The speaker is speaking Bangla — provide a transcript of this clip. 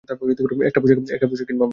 একটা পোশাক কিনবো আমরা।